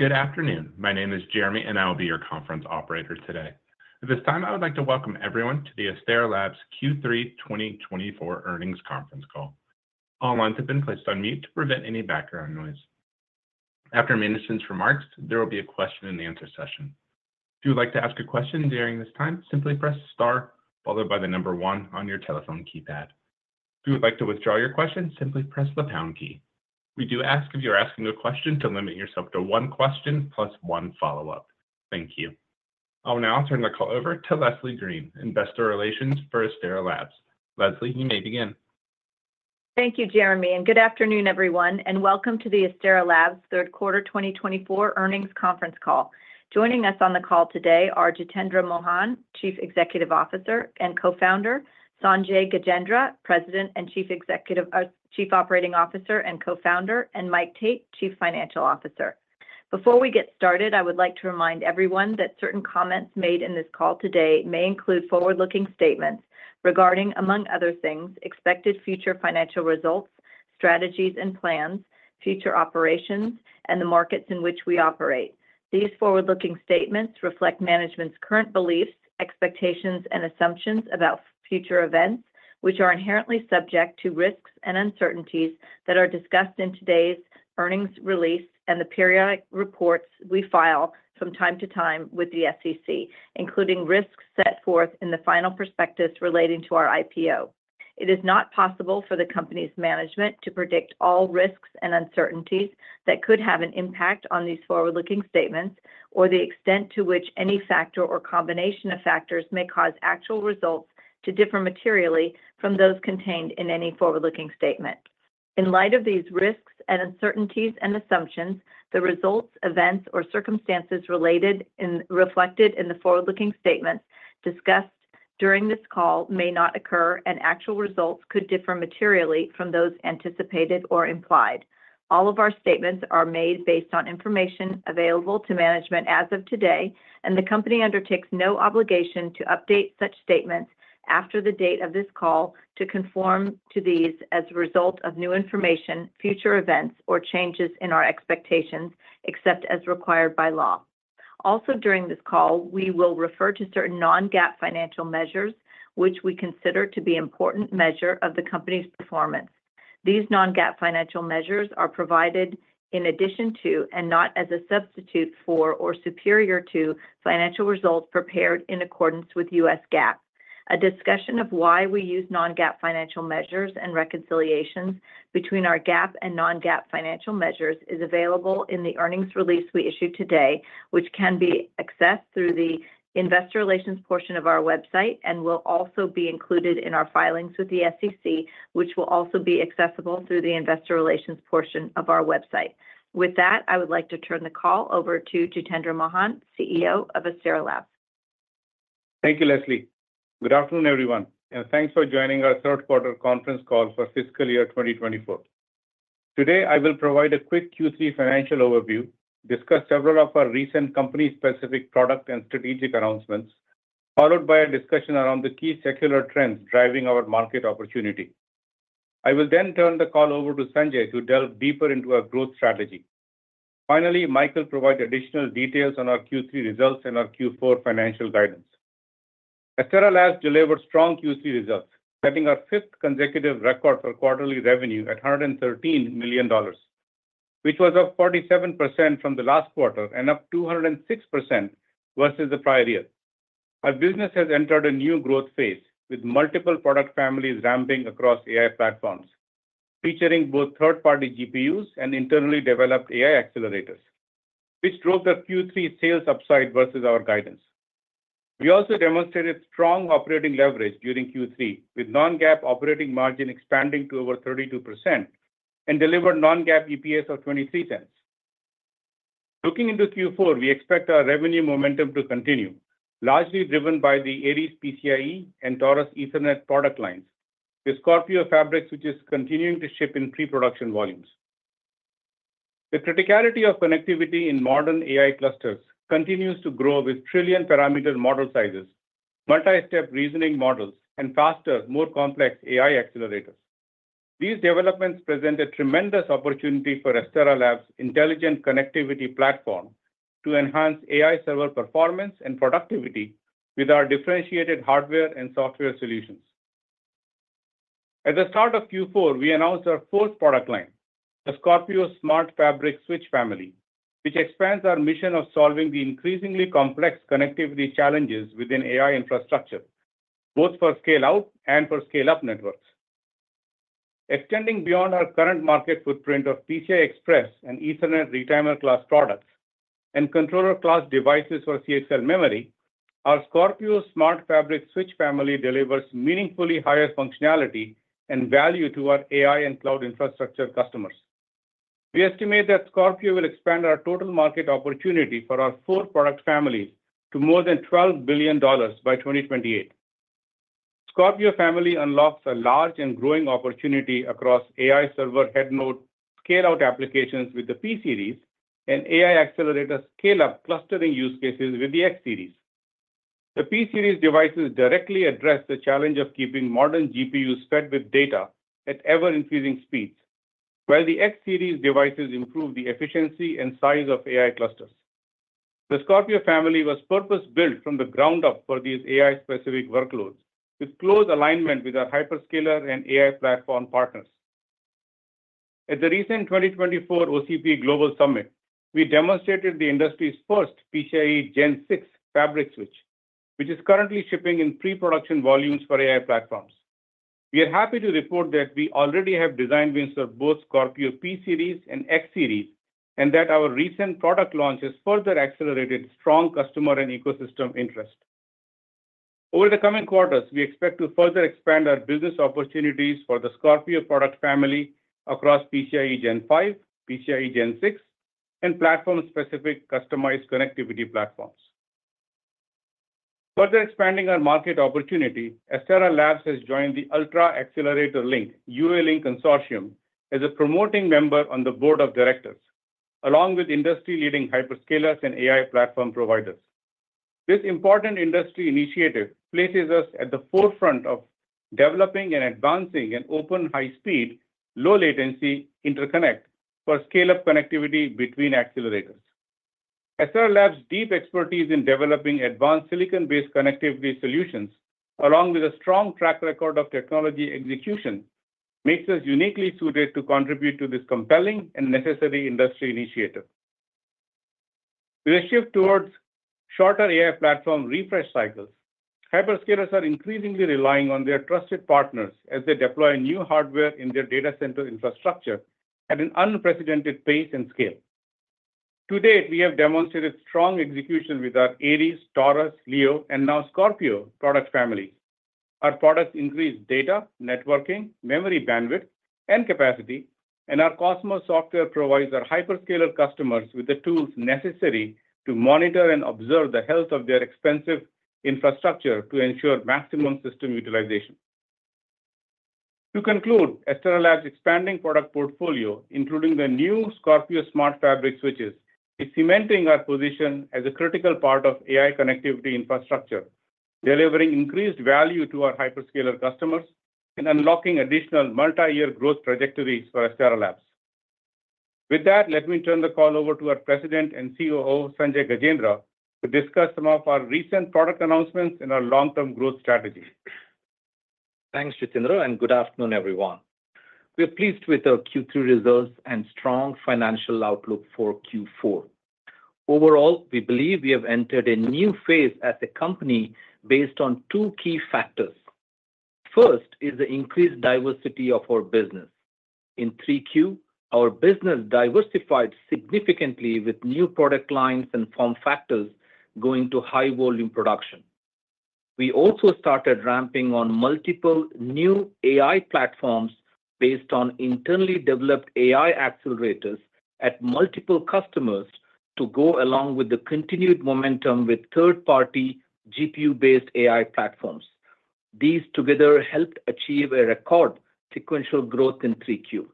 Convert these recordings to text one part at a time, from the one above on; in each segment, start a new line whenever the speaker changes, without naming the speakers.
Good afternoon. My name is Jeremy, and I will be your conference operator today. At this time, I would like to welcome everyone to the Astera Labs Q3 2024 earnings conference call. All lines have been placed on mute to prevent any background noise. After management's remarks, there will be a question-and-answer session. If you would like to ask a question during this time, simply press star followed by the number one on your telephone keypad. If you would like to withdraw your question, simply press the pound key. We do ask if you're asking a question to limit yourself to one question plus one follow-up. Thank you. I will now turn the call over to Leslie Green, Investor Relations for Astera Labs. Leslie, you may begin.
Thank you, Jeremy, and good afternoon, everyone, and welcome to the Astera Labs Q3 2024 earnings conference call. Joining us on the call today are Jitendra Mohan, Chief Executive Officer and Co-founder, Sanjay Gajendra, President and Chief Operating Officer and Co-founder, and Mike Tate, Chief Financial Officer. Before we get started, I would like to remind everyone that certain comments made in this call today may include forward-looking statements regarding, among other things, expected future financial results, strategies and plans, future operations, and the markets in which we operate. These forward-looking statements reflect management's current beliefs, expectations, and assumptions about future events, which are inherently subject to risks and uncertainties that are discussed in today's earnings release and the periodic reports we file from time to time with the SEC, including risks set forth in the final prospectus relating to our IPO. It is not possible for the company's management to predict all risks and uncertainties that could have an impact on these forward-looking statements or the extent to which any factor or combination of factors may cause actual results to differ materially from those contained in any forward-looking statement. In light of these risks and uncertainties and assumptions, the results, events, or circumstances reflected in the forward-looking statements discussed during this call may not occur, and actual results could differ materially from those anticipated or implied. All of our statements are made based on information available to management as of today, and the company undertakes no obligation to update such statements after the date of this call to conform to these as a result of new information, future events, or changes in our expectations, except as required by law. Also, during this call, we will refer to certain non-GAAP financial measures, which we consider to be an important measure of the company's performance. These non-GAAP financial measures are provided in addition to and not as a substitute for or superior to financial results prepared in accordance with U.S. GAAP. A discussion of why we use non-GAAP financial measures and reconciliations between our GAAP and non-GAAP financial measures is available in the earnings release we issued today, which can be accessed through the Investor Relations portion of our website and will also be included in our filings with the SEC, which will also be accessible through the Investor Relations portion of our website. With that, I would like to turn the call over to Jitendra Mohan, CEO of Astera Labs.
Thank you, Leslie. Good afternoon, everyone, and thanks for joining our Q3 conference call for fiscal year 2024. Today, I will provide a quick Q3 financial overview, discuss several of our recent company-specific product and strategic announcements, followed by a discussion around the key secular trends driving our market opportunity. I will then turn the call over to Sanjay to delve deeper into our growth strategy. Finally, Michael will provide additional details on our Q3 results and our Q4 financial guidance. Astera Labs delivered strong Q3 results, setting our fifth consecutive record for quarterly revenue at $113 million, which was up 47% from the last quarter and up 206% versus the prior year. Our business has entered a new growth phase with multiple product families ramping across AI platforms, featuring both third-party GPUs and internally developed AI accelerators, which drove the Q3 sales upside versus our guidance. We also demonstrated strong operating leverage during Q3, with non-GAAP operating margin expanding to over 32% and delivered non-GAAP EPS of $0.23. Looking into Q4, we expect our revenue momentum to continue, largely driven by the Aries PCIe and Taurus Ethernet product lines, with Scorpio Fabrics, which is continuing to ship in pre-production volumes. The criticality of connectivity in modern AI clusters continues to grow with trillion-parameter model sizes, multi-step reasoning models, and faster, more complex AI accelerators. These developments present a tremendous opportunity for Astera Labs' intelligent connectivity platform to enhance AI server performance and productivity with our differentiated hardware and software solutions. At the start of Q4, we announced our fourth product line, the Scorpio Smart Fabric Switch Family, which expands our mission of solving the increasingly complex connectivity challenges within AI infrastructure, both for scale-out and for scale-up networks. Extending beyond our current market footprint of PCI Express and Ethernet retimer class products and controller class devices for CXL memory, our Scorpio Smart Fabric Switch Family delivers meaningfully higher functionality and value to our AI and cloud infrastructure customers. We estimate that Scorpio will expand our total market opportunity for our four product families to more than $12 billion by 2028. Scorpio Family unlocks a large and growing opportunity across AI server head node scale-out applications with the P-Series and AI accelerator scale-up clustering use cases with the X-Series. The P-Series devices directly address the challenge of keeping modern GPUs fed with data at ever-increasing speeds, while the X-Series devices improve the efficiency and size of AI clusters. The Scorpio Family was purpose-built from the ground up for these AI-specific workloads, with close alignment with our hyperscaler and AI platform partners. At the recent 2024 OCP Global Summit, we demonstrated the industry's first PCIe Gen 6 Fabric Switch, which is currently shipping in pre-production volumes for AI platforms. We are happy to report that we already have design wins for both Scorpio P-Series and X-Series, and that our recent product launches further accelerated strong customer and ecosystem interest. Over the coming quarters, we expect to further expand our business opportunities for the Scorpio product family across PCIe Gen 5, PCIe Gen 6, and platform-specific customized connectivity platforms. Further expanding our market opportunity, Astera Labs has joined the Ultra Accelerator Link UA-Link Consortium as a promoting member on the board of directors, along with industry-leading hyperscalers and AI platform providers. This important industry initiative places us at the forefront of developing and advancing an open high-speed, low-latency interconnect for scale-up connectivity between accelerators. Astera Labs' deep expertise in developing advanced silicon-based connectivity solutions, along with a strong track record of technology execution, makes us uniquely suited to contribute to this compelling and necessary industry initiative. With a shift towards shorter AI platform refresh cycles, hyperscalers are increasingly relying on their trusted partners as they deploy new hardware in their data center infrastructure at an unprecedented pace and scale. To date, we have demonstrated strong execution with our Aries, Taurus, Leo, and now Scorpio product families. Our products increase data, networking, memory bandwidth, and capacity, and our COSMOS software provides our hyperscaler customers with the tools necessary to monitor and observe the health of their expensive infrastructure to ensure maximum system utilization. To conclude, Astera Labs' expanding product portfolio, including the new Scorpio Smart Fabric Switches, is cementing our position as a critical part of AI connectivity infrastructure, delivering increased value to our hyperscaler customers and unlocking additional multi-year growth trajectories for Astera Labs. With that, let me turn the call over to our President and COO, Sanjay Gajendra, to discuss some of our recent product announcements and our long-term growth strategy.
Thanks, Jitendra, and good afternoon, everyone. We are pleased with our Q3 results and strong financial outlook for Q4. Overall, we believe we have entered a new phase as a company based on two key factors. First is the increased diversity of our business. In 3Q, our business diversified significantly with new product lines and form factors going to high-volume production. We also started ramping on multiple new AI platforms based on internally developed AI accelerators at multiple customers to go along with the continued momentum with third-party GPU-based AI platforms. These together helped achieve a record sequential growth in 3Q.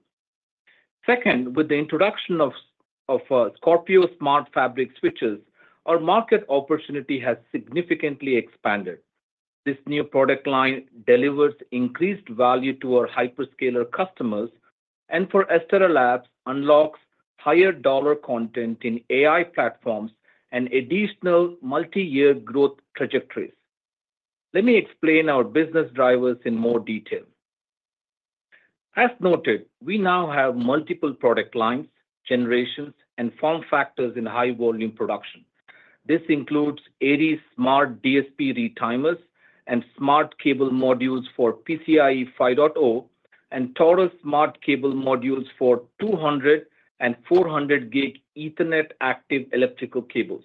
Second, with the introduction of Scorpio Smart Fabric Switches, our market opportunity has significantly expanded. This new product line delivers increased value to our hyperscaler customers and for Astera Labs unlocks higher dollar content in AI platforms and additional multi-year growth trajectories. Let me explain our business drivers in more detail. As noted, we now have multiple product lines, generations, and form factors in high-volume production. This includes Aries SmartDSP retimers and smart cable modules for PCIe 5.0 and Taurus Smart Cable Modules for 200 and 400 gig Ethernet active electrical cables.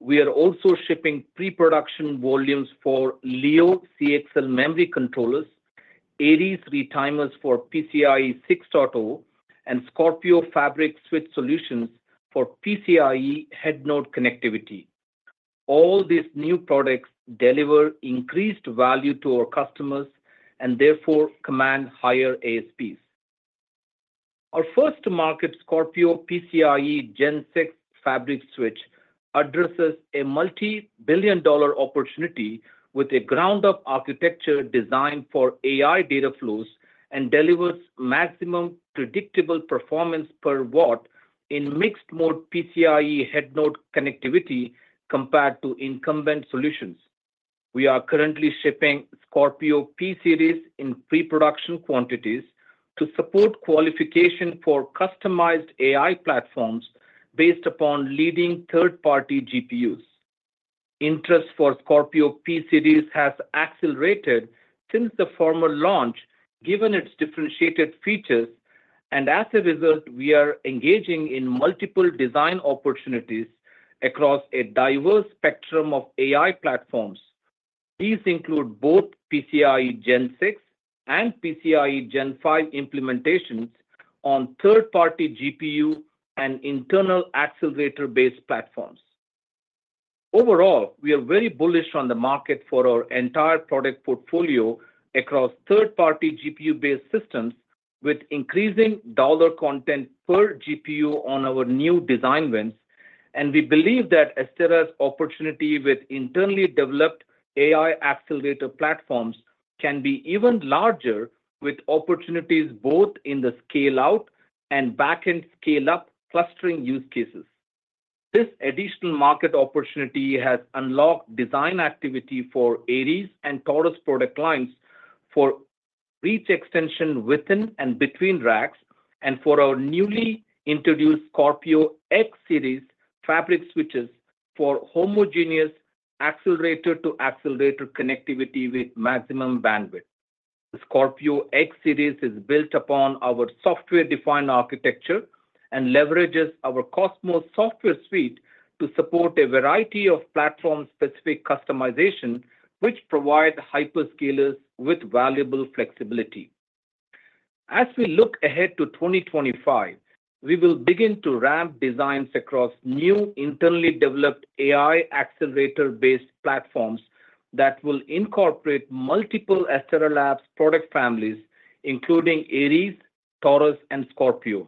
We are also shipping pre-production volumes for Leo CXL memory controllers, Aries retimers for PCIe 6.0, and Scorpio Fabric Switch solutions for PCIe head node connectivity. All these new products deliver increased value to our customers and therefore command higher ASPs. Our first-to-market Scorpio PCIe Gen 6 Fabric Switch addresses a multi-billion-dollar opportunity with a ground-up architecture designed for AI data flows and delivers maximum predictable performance per watt in mixed-mode PCIe head node connectivity compared to incumbent solutions. We are currently shipping Scorpio P-Series in pre-production quantities to support qualification for customized AI platforms based upon leading third-party GPUs. Interest for Scorpio P-Series has accelerated since the former launch, given its differentiated features, and as a result, we are engaging in multiple design opportunities across a diverse spectrum of AI platforms. These include both PCIe Gen 6 and PCIe Gen 5 implementations on third-party GPU and internal accelerator-based platforms. Overall, we are very bullish on the market for our entire product portfolio across third-party GPU-based systems with increasing dollar content per GPU on our new design wins, and we believe that Astera's opportunity with internally developed AI accelerator platforms can be even larger with opportunities both in the scale-out and back-end scale-up clustering use cases. This additional market opportunity has unlocked design activity for Aries and Taurus product lines for reach extension within and between racks and for our newly introduced Scorpio X-Series fabric switches for homogeneous accelerator-to-accelerator connectivity with maximum bandwidth. The Scorpio X-Series is built upon our software-defined architecture and leverages our COSMOS software suite to support a variety of platform-specific customization, which provides hyperscalers with valuable flexibility. As we look ahead to 2025, we will begin to ramp designs across new internally developed AI accelerator-based platforms that will incorporate multiple Astera Labs product families, including Aries, Taurus, and Scorpio.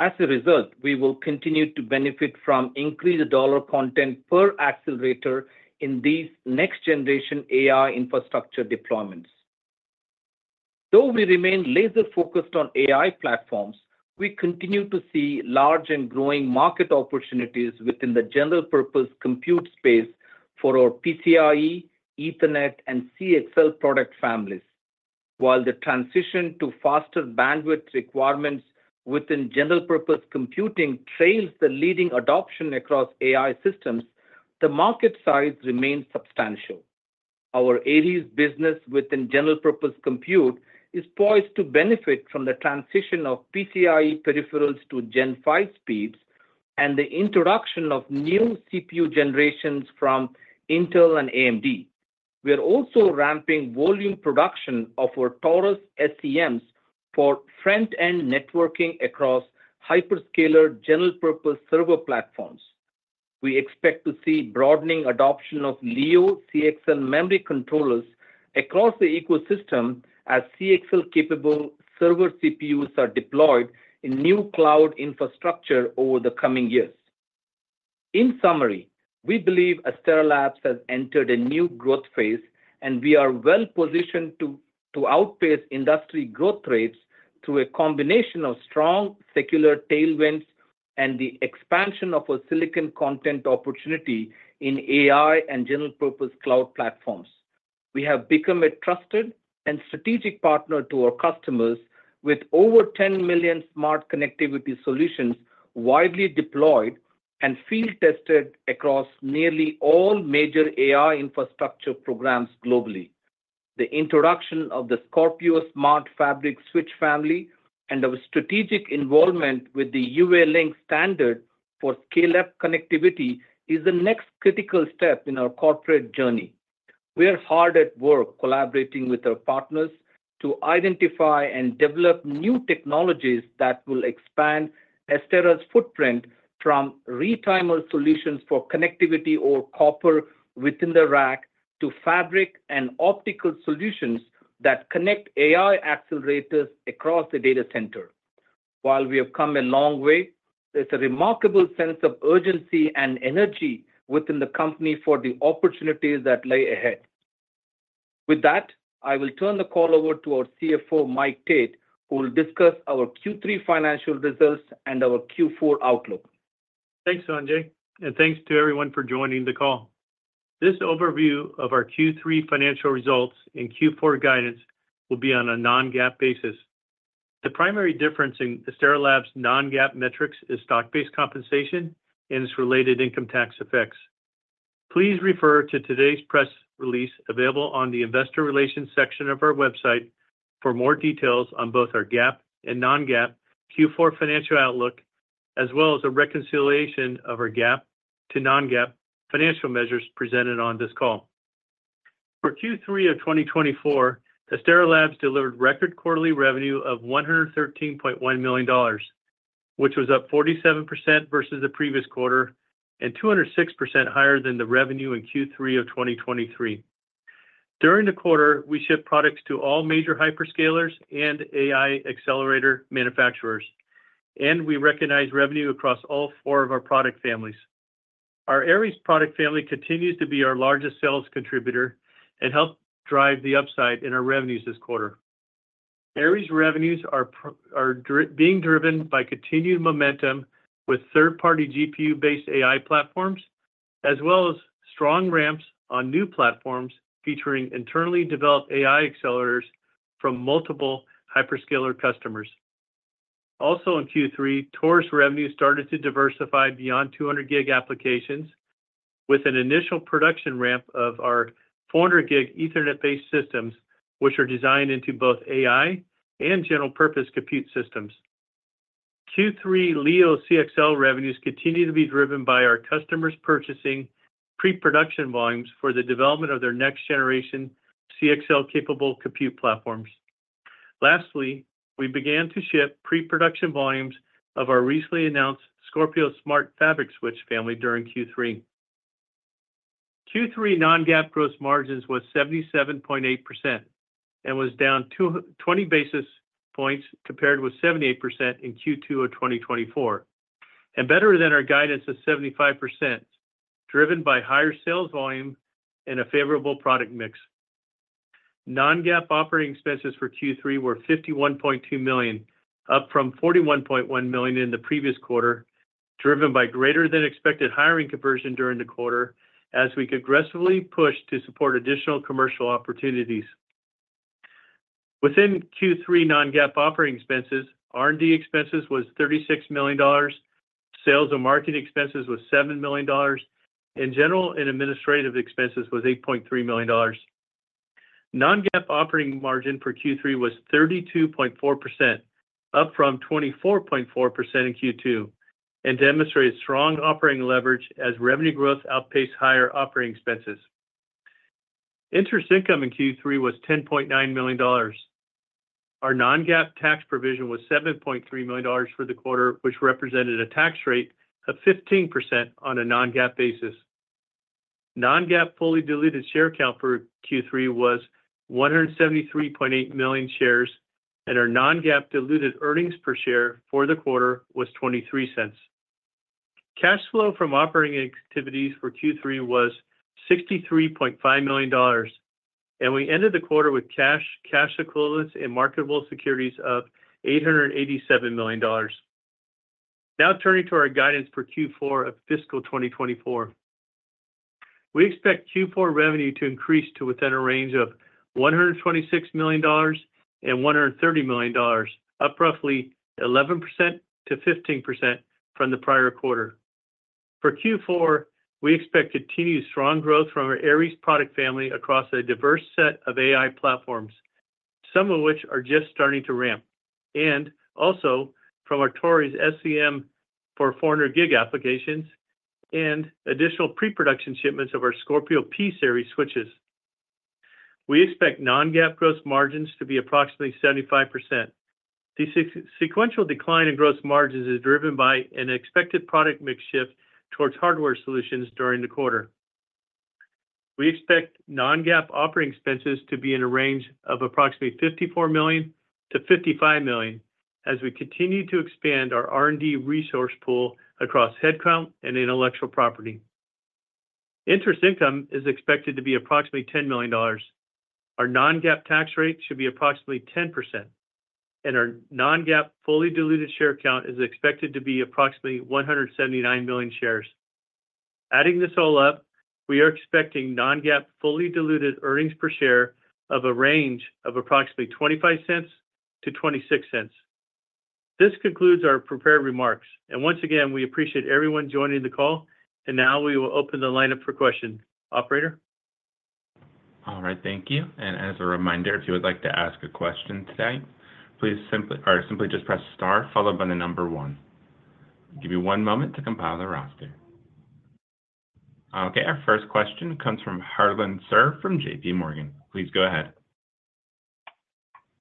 As a result, we will continue to benefit from increased dollar content per accelerator in these next-generation AI infrastructure deployments. Though we remain laser-focused on AI platforms, we continue to see large and growing market opportunities within the general-purpose compute space for our PCIe, Ethernet, and CXL product families. While the transition to faster bandwidth requirements within general-purpose computing trails the leading adoption across AI systems, the market size remains substantial. Our Aries business within general-purpose compute is poised to benefit from the transition of PCIe peripherals to Gen 5 speeds and the introduction of new CPU generations from Intel and AMD. We are also ramping volume production of our Taurus SCMs for front-end networking across hyperscaler general-purpose server platforms. We expect to see broadening adoption of Leo CXL memory controllers across the ecosystem as CXL-capable server CPUs are deployed in new cloud infrastructure over the coming years. In summary, we believe Astera Labs has entered a new growth phase, and we are well-positioned to outpace industry growth rates through a combination of strong secular tailwinds and the expansion of our silicon content opportunity in AI and general-purpose cloud platforms. We have become a trusted and strategic partner to our customers with over 10 million smart connectivity solutions widely deployed and field-tested across nearly all major AI infrastructure programs globally. The introduction of the Scorpio Smart Fabric Switch Family and our strategic involvement with the UA-Link standard for scale-up connectivity is the next critical step in our corporate journey. We are hard at work collaborating with our partners to identify and develop new technologies that will expand Astera's footprint from retimer solutions for connectivity or copper within the rack to fabric and optical solutions that connect AI accelerators across the data center. While we have come a long way, there's a remarkable sense of urgency and energy within the company for the opportunities that lay ahead. With that, I will turn the call over to our CFO, Mike Tate, who will discuss our Q3 financial results and our Q4 outlook.
Thanks, Sanjay, and thanks to everyone for joining the call. This overview of our Q3 financial results and Q4 guidance will be on a non-GAAP basis. The primary difference in Astera Labs' non-GAAP metrics is stock-based compensation and its related income tax effects. Please refer to today's press release available on the Investor Relations section of our website for more details on both our GAAP and non-GAAP Q4 financial outlook, as well as a reconciliation of our GAAP to non-GAAP financial measures presented on this call. For Q3 of 2024, Astera Labs delivered record quarterly revenue of $113.1 million, which was up 47% versus the previous quarter and 206% higher than the revenue in Q3 of 2023. During the quarter, we shipped products to all major hyperscalers and AI accelerator manufacturers, and we recognize revenue across all four of our product families. Our Aries product family continues to be our largest sales contributor and helped drive the upside in our revenues this quarter. Aries revenues are being driven by continued momentum with third-party GPU-based AI platforms, as well as strong ramps on new platforms featuring internally developed AI accelerators from multiple hyperscaler customers. Also, in Q3, Taurus revenues started to diversify beyond 200 gig applications with an initial production ramp of our 400 gig Ethernet-based systems, which are designed into both AI and general-purpose compute systems. Q3 Leo CXL revenues continue to be driven by our customers purchasing pre-production volumes for the development of their next-generation CXL-capable compute platforms. Lastly, we began to ship pre-production volumes of our recently announced Scorpio Smart Fabric Switch Family during Q3. Q3 non-GAAP gross margins were 77.8% and were down 20 basis points compared with 78% in Q2 of 2024, and better than our guidance of 75%, driven by higher sales volume and a favorable product mix. Non-GAAP operating expenses for Q3 were $51.2 million, up from $41.1 million in the previous quarter, driven by greater-than-expected hiring conversion during the quarter as we aggressively pushed to support additional commercial opportunities. Within Q3 non-GAAP operating expenses, R&D expenses were $36 million, sales and marketing expenses were $7 million, and general and administrative expenses were $8.3 million. Non-GAAP operating margin for Q3 was 32.4%, up from 24.4% in Q2, and demonstrated strong operating leverage as revenue growth outpaced higher operating expenses. Interest income in Q3 was $10.9 million. Our non-GAAP tax provision was $7.3 million for the quarter, which represented a tax rate of 15% on a non-GAAP basis. Non-GAAP fully diluted share count for Q3 was 173.8 million shares, and our non-GAAP diluted earnings per share for the quarter was $0.23. Cash flow from operating activities for Q3 was $63.5 million, and we ended the quarter with cash, cash equivalents, and marketable securities of $887 million. Now turning to our guidance for Q4 of fiscal 2024, we expect Q4 revenue to increase to within a range of $126 million and $130 million, up roughly 11%-15% from the prior quarter. For Q4, we expect continued strong growth from our Aries product family across a diverse set of AI platforms, some of which are just starting to ramp, and also from our Taurus SCM for 400 gig applications and additional pre-production shipments of our Scorpio P-Series switches. We expect non-GAAP gross margins to be approximately 75%. The sequential decline in gross margins is driven by an expected product mix shift towards hardware solutions during the quarter. We expect non-GAAP operating expenses to be in a range of approximately $54 million-$55 million as we continue to expand our R&D resource pool across headcount and intellectual property. Interest income is expected to be approximately $10 million. Our non-GAAP tax rate should be approximately 10%, and our non-GAAP fully diluted share count is expected to be approximately 179 million shares. Adding this all up, we are expecting non-GAAP fully diluted earnings per share of a range of approximately $0.25-$0.26. This concludes our prepared remarks, and once again, we appreciate everyone joining the call, and now we will open the lineup for questions. Operator.
All right, thank you. And as a reminder, if you would like to ask a question today, please simply just press star followed by the number one. Give me one moment to compile the roster. Okay, our first question comes from Harlan Sur from JPMorgan. Please go ahead.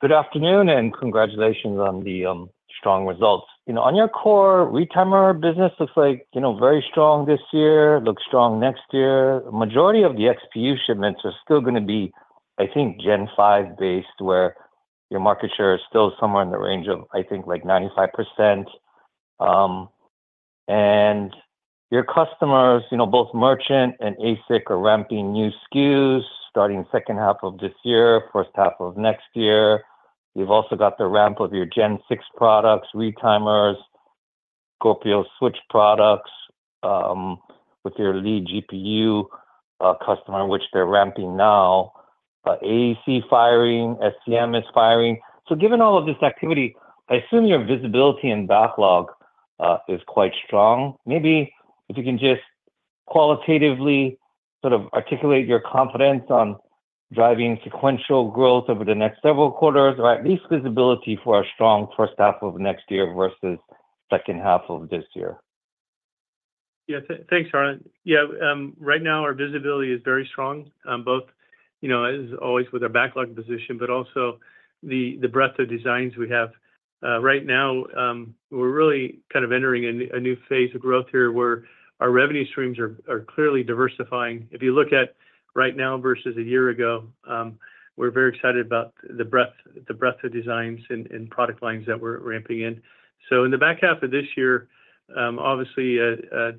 Good afternoon and congratulations on the strong results. You know, on your core retimer business looks like, you know, very strong this year, looks strong next year. The majority of the XPU shipments are still going to be, I think, Gen 5-based where your market share is still somewhere in the range of, I think, like 95%. And your customers, you know, both merchant and ASIC are ramping new SKUs starting the second half of this year, first half of next year. You've also got the ramp of your Gen 6 products, retimers, Scorpio Switch products with your lead GPU customer, which they're ramping now. AEC firing, SCM is firing. So given all of this activity, I assume your visibility and backlog is quite strong. Maybe if you can just qualitatively sort of articulate your confidence on driving sequential growth over the next several quarters or at least visibility for our strong first half of next year versus second half of this year.
Yeah, thanks, Harlan. Yeah, right now our visibility is very strong, both, you know, as always with our backlog position, but also the breadth of designs we have. Right now, we're really kind of entering a new phase of growth here where our revenue streams are clearly diversifying. If you look at right now versus a year ago, we're very excited about the breadth of designs and product lines that we're ramping in. So in the back half of this year, obviously,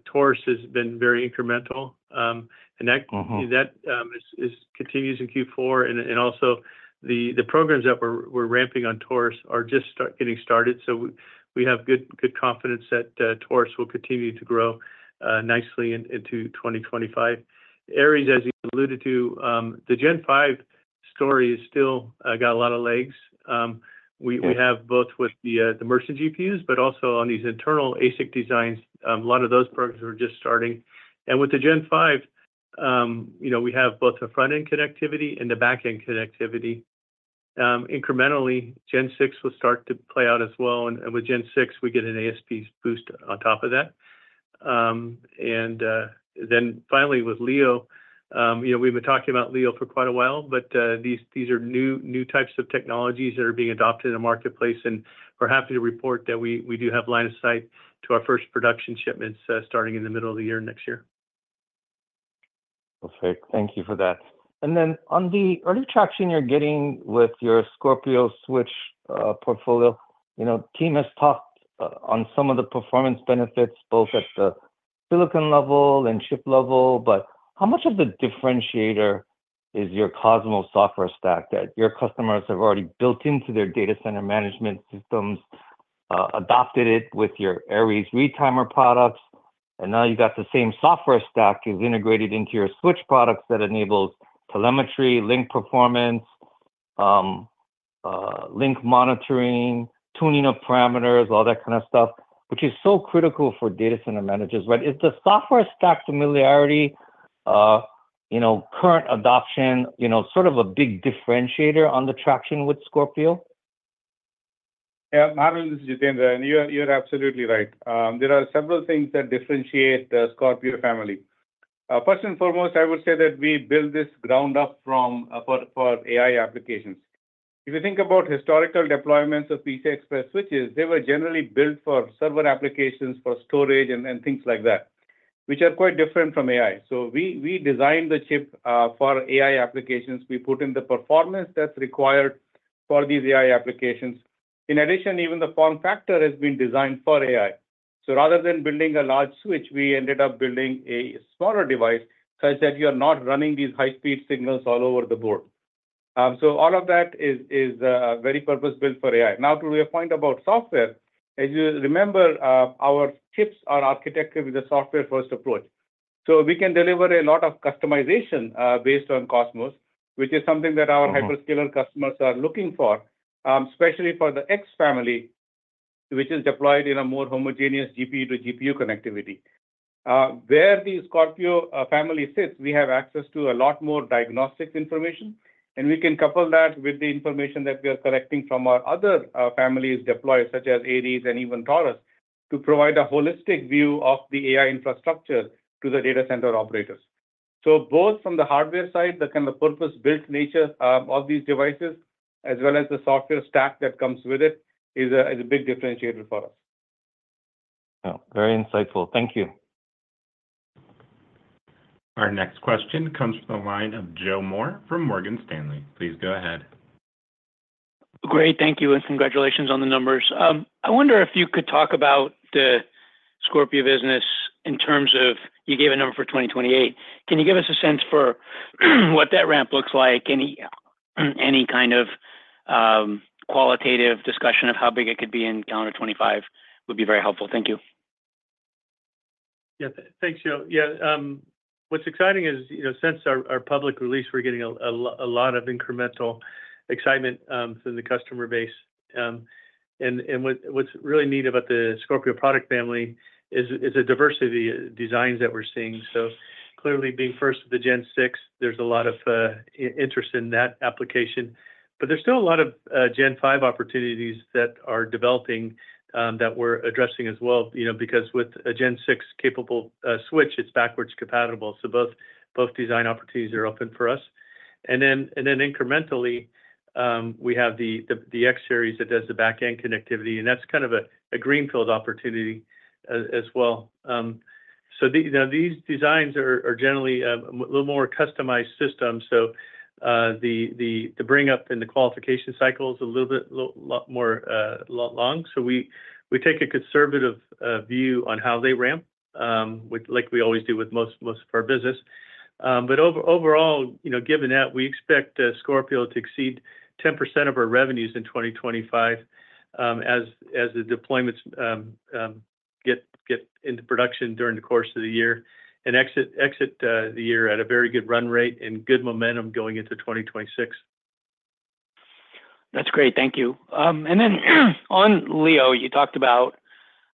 Taurus has been very incremental, and that continues in Q4. And also, the programs that we're ramping on Taurus are just getting started, so we have good confidence that Taurus will continue to grow nicely into 2025. Aries, as you alluded to, the Gen 5 story still got a lot of legs. We have both with the merchant GPUs, but also on these internal ASIC designs, a lot of those programs are just starting. And with the Gen 5, you know, we have both the front-end connectivity and the back-end connectivity. Incrementally, Gen 6 will start to play out as well, and with Gen 6, we get an ASP boost on top of that. And then finally, with Leo, you know, we've been talking about Leo for quite a while, but these are new types of technologies that are being adopted in the marketplace, and we're happy to report that we do have line of sight to our first production shipments starting in the middle of the year next year.
Perfect. Thank you for that. And then on the early traction you're getting with your Scorpio Switch portfolio, you know, team has talked on some of the performance benefits both at the silicon level and chip level, but how much of the differentiator is your COSMOS software stack that your customers have already built into their data center management systems, adopted it with your Aries retimer products, and now you've got the same software stack integrated into your Switch products that enables telemetry, link performance, link monitoring, tuning of parameters, all that kind of stuff, which is so critical for data center managers, right? Is the software stack familiarity, you know, current adoption, you know, sort of a big differentiator on the traction with Scorpio?
Yeah, Harlan, this is Jitendra. And you're absolutely right. There are several things that differentiate the Scorpio family. First and foremost, I would say that we build this ground up for AI applications. If you think about historical deployments of PCI Express switches, they were generally built for server applications, for storage, and things like that, which are quite different from AI. So we designed the chip for AI applications. We put in the performance that's required for these AI applications. In addition, even the form factor has been designed for AI. So rather than building a large switch, we ended up building a smaller device such that you're not running these high-speed signals all over the board. So all of that is very purpose-built for AI. Now, to your point about software, as you remember, our chips are architected with a software-first approach. So we can deliver a lot of customization based on COSMOS, which is something that our hyperscaler customers are looking for, especially for the X family, which is deployed in a more homogeneous GPU-to-GPU connectivity. Where the Scorpio family sits, we have access to a lot more diagnostic information, and we can couple that with the information that we are collecting from our other families deployed, such as Aries and even Taurus, to provide a holistic view of the AI infrastructure to the data center operators. So both from the hardware side, the kind of purpose-built nature of these devices, as well as the software stack that comes with it, is a big differentiator for us.
Very insightful. Thank you.
Our next question comes from the line of Joe Moore from Morgan Stanley. Please go ahead.
Great. Thank you, and congratulations on the numbers. I wonder if you could talk about the Scorpio business in terms of you gave a number for 2028. Can you give us a sense for what that ramp looks like? Any kind of qualitative discussion of how big it could be in calendar 2025 would be very helpful. Thank you.
Yeah, thanks, Joe. Yeah, what's exciting is, you know, since our public release, we're getting a lot of incremental excitement from the customer base. And what's really neat about the Scorpio product family is the diversity of designs that we're seeing. So clearly, being first with the Gen 6, there's a lot of interest in that application, but there's still a lot of Gen 5 opportunities that are developing that we're addressing as well, you know, because with a Gen 6-capable switch, it's backwards compatible. So both design opportunities are open for us. And then incrementally, we have the X-Series that does the back-end connectivity, and that's kind of a greenfield opportunity as well. So these designs are generally a little more customized systems. So the bring-up and the qualification cycle is a little bit more long. So we take a conservative view on how they ramp, like we always do with most of our business. But overall, you know, given that, we expect Scorpio to exceed 10% of our revenues in 2025 as the deployments get into production during the course of the year and exit the year at a very good run rate and good momentum going into 2026.
That's great. Thank you. And then on Leo, you talked about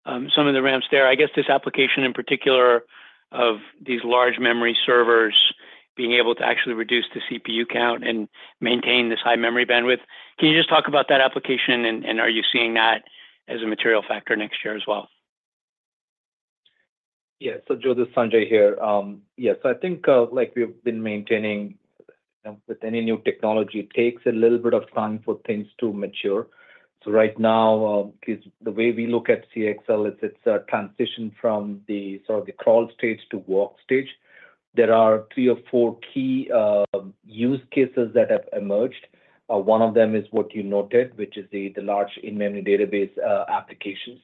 some of the ramps there. I guess this application in particular of these large memory servers being able to actually reduce the CPU count and maintain this high memory bandwidth. Can you just talk about that application, and are you seeing that as a material factor next year as well?
Yeah, so Joe Sanjay here. Yeah, so I think like we've been maintaining with any new technology, it takes a little bit of time for things to mature. So right now, the way we look at CXL, it's a transition from the sort of the crawl stage to walk stage. There are three or four key use cases that have emerged. One of them is what you noted, which is the large in-memory database applications.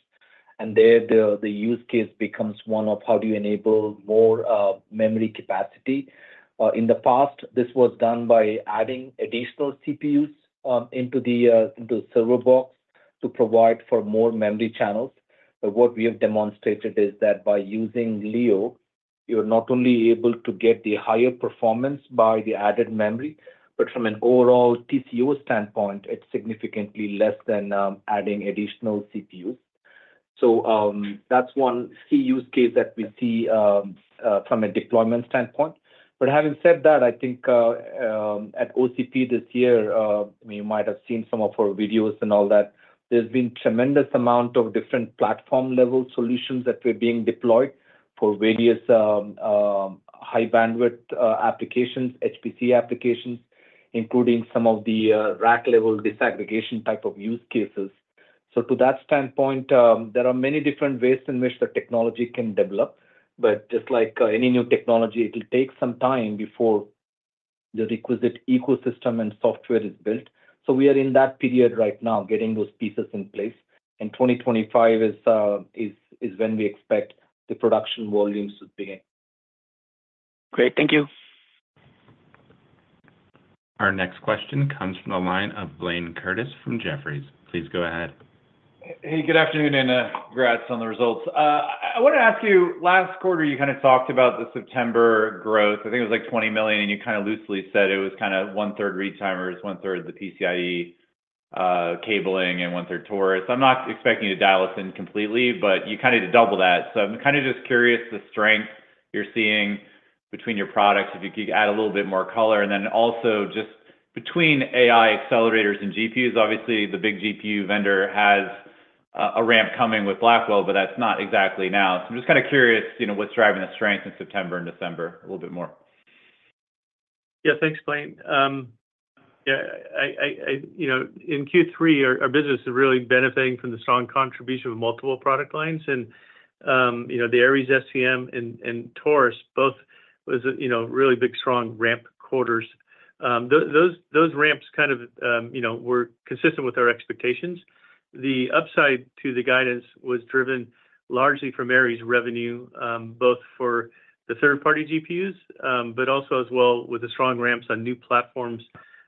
And there the use case becomes one of how do you enable more memory capacity. In the past, this was done by adding additional CPUs into the server box to provide for more memory channels. But what we have demonstrated is that by using Leo, you're not only able to get the higher performance by the added memory, but from an overall TCO standpoint, it's significantly less than adding additional CPUs. So that's one key use case that we see from a deployment standpoint. But having said that, I think at OCP this year, you might have seen some of our videos and all that, there's been a tremendous amount of different platform-level solutions that were being deployed for various high-bandwidth applications, HPC applications, including some of the rack-level disaggregation type of use cases, so to that standpoint, there are many different ways in which the technology can develop, but just like any new technology, it will take some time before the requisite ecosystem and software is built. So we are in that period right now, getting those pieces in place, and 2025 is when we expect the production volumes to begin.
Great. Thank you.
Our next question comes from the line of Blayne Curtis from Jefferies. Please go ahead.
Hey, good afternoon and congrats on the results. I want to ask you, last quarter, you kind of talked about the September growth. I think it was like $20 million, and you kind of loosely said it was kind of 1/3 retimers, 1/3 the PCIe cabling, and 1/3 Taurus. I'm not expecting you to dial this in completely, but you kind of need to double that. So I'm kind of just curious the strength you're seeing between your products, if you could add a little bit more color. And then also just between AI accelerators and GPUs, obviously the big GPU vendor has a ramp coming with Blackwell, but that's not exactly now. So I'm just kind of curious, you know, what's driving the strength in September and December a little bit more.
Yeah, thanks, Blayne. Yeah, you know, in Q3, our business is really benefiting from the strong contribution of multiple product lines. And, you know, the Aries SCM and Taurus both was, you know, really big strong ramp quarters. Those ramps kind of, you know, were consistent with our expectations. The upside to the guidance was driven largely from Aries revenue, both for the third-party GPUs, but also as well with the strong ramps on new platforms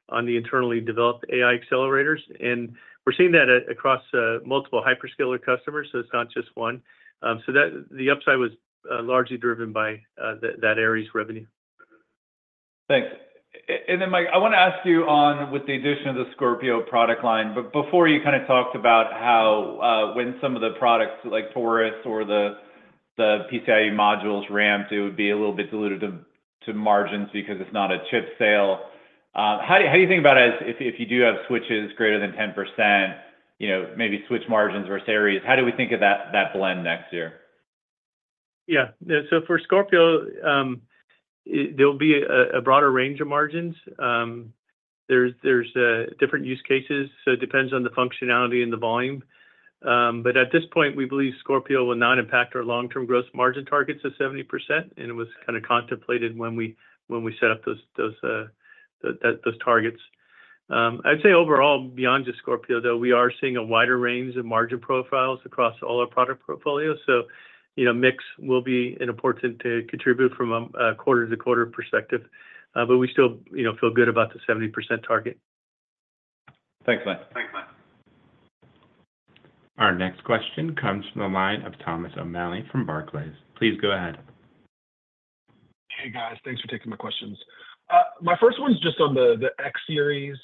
on the internally developed AI accelerators. And we're seeing that across multiple hyperscaler customers, so it's not just one. So the upside was largely driven by that Aries revenue.
Thanks. And then, Mike, I want to ask you on with the addition of the Scorpio product line, but before you kind of talked about how when some of the products like Taurus or the PCIe modules ramped, it would be a little bit diluted to margins because it's not a chip sale. How do you think about it as if you do have switches greater than 10%, you know, maybe switch margins versus Aries? How do we think of that blend next year?
Yeah, so for Scorpio, there'll be a broader range of margins. There's different use cases, so it depends on the functionality and the volume. But at this point, we believe Scorpio will not impact our long-term gross margin targets of 70%, and it was kind of contemplated when we set up those targets. I'd say overall, beyond just Scorpio, though, we are seeing a wider range of margin profiles across all our product portfolios. So, you know, mix will be important to contribute from a quarter-to-quarter perspective, but we still, you know, feel good about the 70% target.
Thanks, Mike.
Thanks, Mike. Our next question comes from the line of Thomas O'Malley from Barclays. Please go ahead.
Hey, guys. Thanks for taking my questions. My first one's just on the X-Series,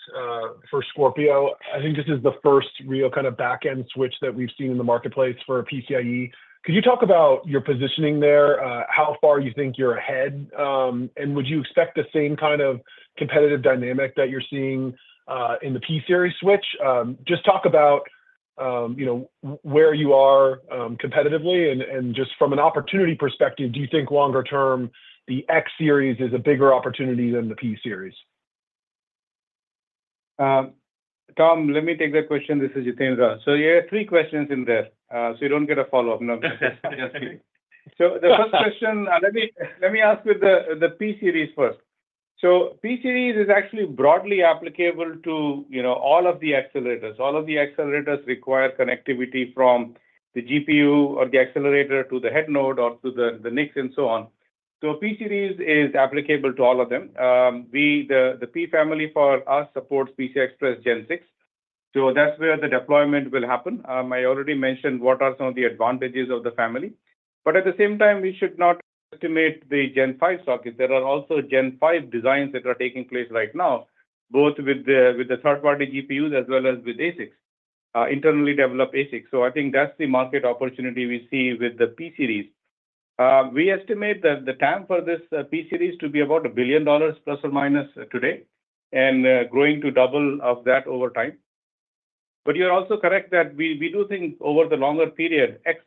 for Scorpio. I think this is the first real kind of back-end switch that we've seen in the marketplace for PCIe. Could you talk about your positioning there, how far you think you're ahead, and would you expect the same kind of competitive dynamic that you're seeing in the P-Series switch? Just talk about, you know, where you are competitively. And just from an opportunity perspective, do you think longer term the X-Series is a bigger opportunity than the P-Series?
Tom, let me take that question. This is Jitendra. So you have three questions in there, so you don't get a follow-up. So the first question, let me ask with the P-Series first. So P-Series is actually broadly applicable to, you know, all of the accelerators. All of the accelerators require connectivity from the GPU or the accelerator to the head node or to the NICs and so on. So P-Series is applicable to all of them. The P-Series family for us supports PCI Express Gen 6. So that's where the deployment will happen. I already mentioned what are some of the advantages of the family. But at the same time, we should not underestimate the Gen 5 socket. There are also Gen 5 designs that are taking place right now, both with the third-party GPUs as well as with ASICs, internally developed ASICs. I think that's the market opportunity we see with the P-Series. We estimate that the TAM for this P-Series to be about $1 billion plus or minus today and growing to double that over time. You're also correct that we do think over the longer period, X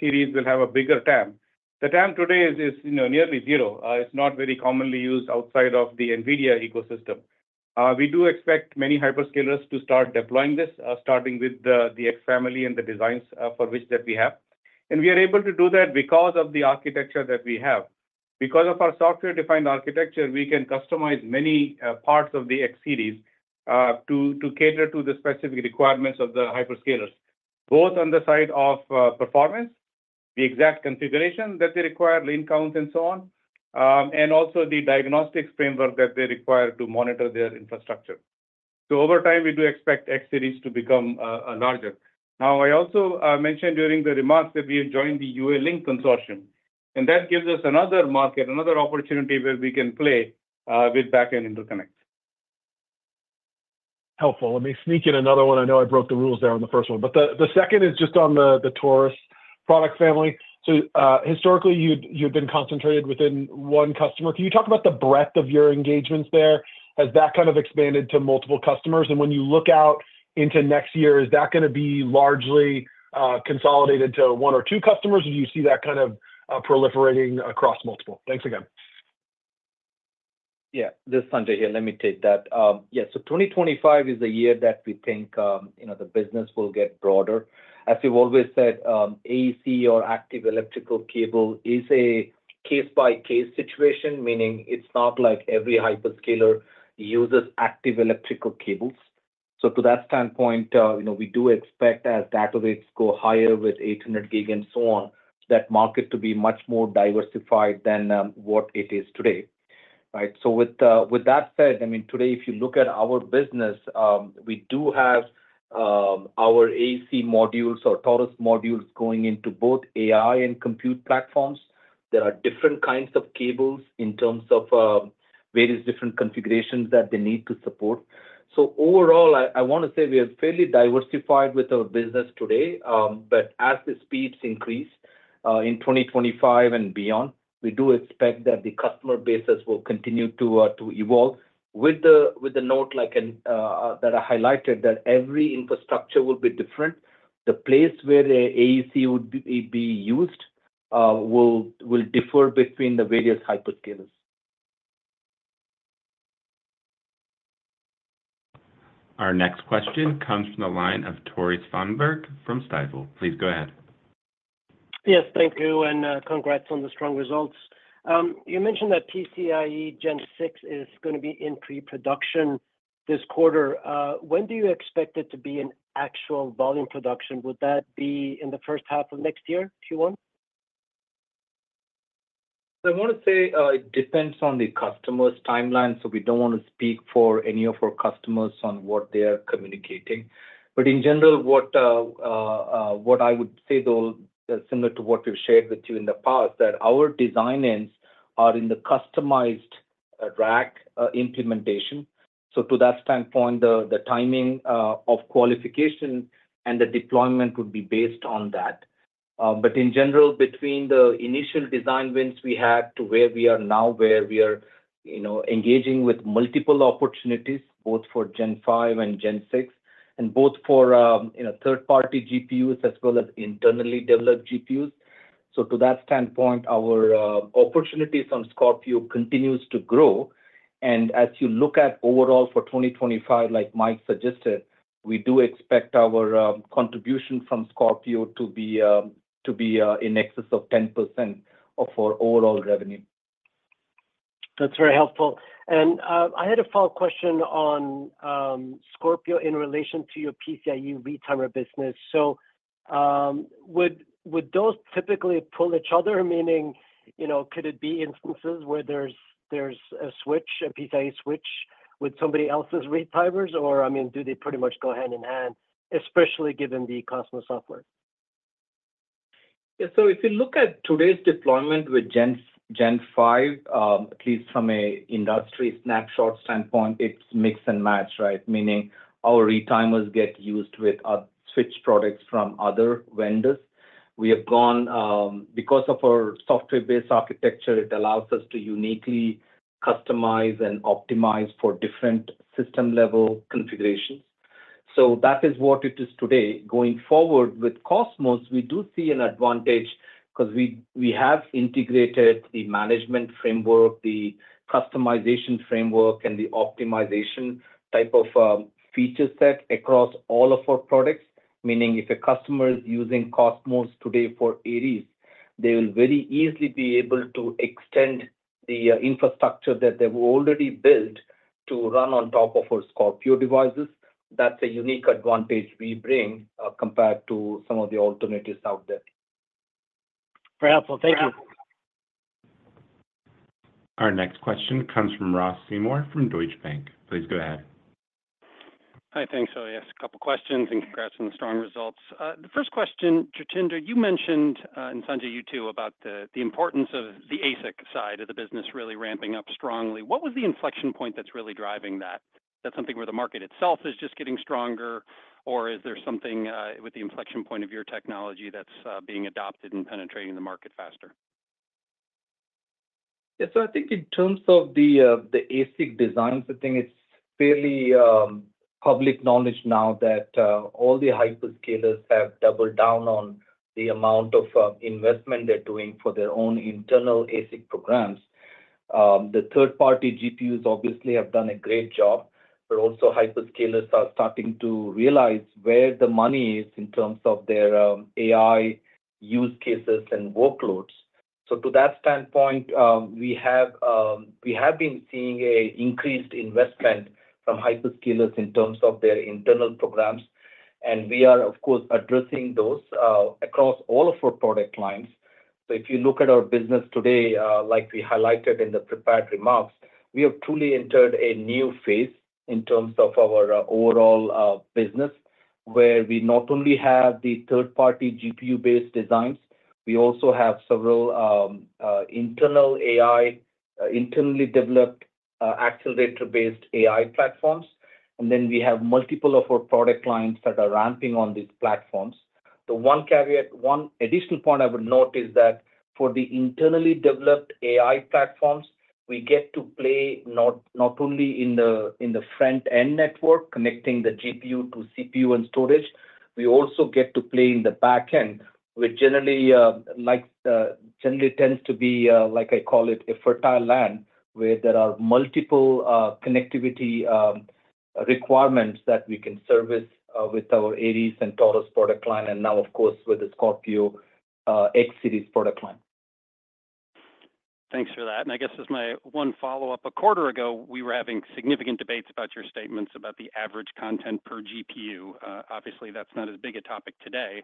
series will have a bigger TAM. The TAM today is nearly zero. It's not very commonly used outside of the NVIDIA ecosystem. We do expect many hyperscalers to start deploying this, starting with the X family and the designs for which we have. We are able to do that because of the architecture that we have. Because of our software-defined architecture, we can customize many parts of the X-Series to cater to the specific requirements of the hyperscalers, both on the side of performance, the exact configuration that they require, lane counts, and so on, and also the diagnostic framework that they require to monitor their infrastructure. So over time, we do expect X-Series to become larger. Now, I also mentioned during the remarks that we have joined the UA-Link Consortium, and that gives us another market, another opportunity where we can play with back-end interconnect.
Helpful. Let me sneak in another one. I know I broke the rules there on the first one, but the second is just on the Taurus product family. So historically, you had been concentrated within one customer. Can you talk about the breadth of your engagements there? Has that kind of expanded to multiple customers? And when you look out into next year, is that going to be largely consolidated to one or two customers, or do you see that kind of proliferating across multiple? Thanks again.
Yeah, Sanjay here. Let me take that. Yeah, so 2025 is a year that we think, you know, the business will get broader. As we've always said, AEC or active electrical cable is a case-by-case situation, meaning it's not like every hyperscaler uses active electrical cables. So to that standpoint, you know, we do expect as data rates go higher with 800 gig and so on, that market to be much more diversified than what it is today, right? So with that said, I mean, today, if you look at our business, we do have our AEC modules or Taurus modules going into both AI and compute platforms. There are different kinds of cables in terms of various different configurations that they need to support. So overall, I want to say we are fairly diversified with our business today, but as the speeds increase in 2025 and beyond, we do expect that the customer bases will continue to evolve. With the note like that, I highlighted that every infrastructure will be different, the place where the AEC would be used will differ between the various hyperscalers.
Our next question comes from the line of Tore Svanberg from Stifel. Please go ahead.
Yes, thank you. And congrats on the strong results. You mentioned that PCIe Gen 6 is going to be in pre-production this quarter. When do you expect it to be in actual volume production? Would that be in the first half of next year, Q1?
I want to say it depends on the customer's timeline. So we don't want to speak for any of our customers on what they are communicating. But in general, what I would say, though, similar to what we've shared with you in the past, that our design wins are in the customized rack implementation. So to that standpoint, the timing of qualification and the deployment would be based on that. But in general, between the initial design wins we had to where we are now, where we are, you know, engaging with multiple opportunities, both for Gen 5 and Gen 6, and both for third-party GPUs as well as internally developed GPUs. So to that standpoint, our opportunities on Scorpio continues to grow. As you look at overall for 2025, like Mike suggested, we do expect our contribution from Scorpio to be in excess of 10% of our overall revenue.
That's very helpful, and I had a follow-up question on Scorpio in relation to your PCIe retimer business, so would those typically pull each other, meaning, you know, could it be instances where there's a switch, a PCIe switch with somebody else's retimers, or, I mean, do they pretty much go hand in hand, especially given the COSMOS software?
Yeah, so if you look at today's deployment with Gen 5, at least from an industry snapshot standpoint, it's mix and match, right? Meaning our retimers get used with switch products from other vendors. We have gone, because of our software-based architecture, it allows us to uniquely customize and optimize for different system-level configurations. So that is what it is today. Going forward with COSMOS, we do see an advantage because we have integrated the management framework, the customization framework, and the optimization type of feature set across all of our products. Meaning if a customer is using COSMOS today for Aries, they will very easily be able to extend the infrastructure that they've already built to run on top of our Scorpio devices. That's a unique advantage we bring compared to some of the alternatives out there.
Very helpful. Thank you.
Our next question comes from Ross Seymore from Deutsche Bank. Please go ahead.
Hi, thanks, Leslie. A couple of questions and congrats on the strong results. The first question, Jitendra, you mentioned, and Sanjay, you too, about the importance of the ASIC side of the business really ramping up strongly. What was the inflection point that's really driving that? That's something where the market itself is just getting stronger, or is there something with the inflection point of your technology that's being adopted and penetrating the market faster?
Yeah, so I think in terms of the ASIC designs, I think it's fairly public knowledge now that all the hyperscalers have doubled down on the amount of investment they're doing for their own internal ASIC programs. The third-party GPUs obviously have done a great job, but also hyperscalers are starting to realize where the money is in terms of their AI use cases and workloads. So to that standpoint, we have been seeing an increased investment from hyperscalers in terms of their internal programs. And we are, of course, addressing those across all of our product lines. So if you look at our business today, like we highlighted in the prepared remarks, we have truly entered a new phase in terms of our overall business, where we not only have the third-party GPU-based designs, we also have several internal AI, internally developed accelerator-based AI platforms. And then we have multiple of our product lines that are ramping on these platforms. The one additional point I would note is that for the internally developed AI platforms, we get to play not only in the front-end network, connecting the GPU to CPU and storage. We also get to play in the back-end, which generally tends to be, like I call it, a fertile land, where there are multiple connectivity requirements that we can service with our Aries and Taurus product line, and now, of course, with the Scorpio X-Series product line.
Thanks for that. And I guess this is my one follow-up. A quarter ago, we were having significant debates about your statements about the average content per GPU. Obviously, that's not as big a topic today